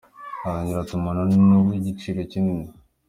Arongera ati “Umuntu ni uw’igiciro kinini.